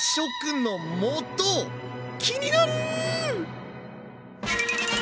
気になる！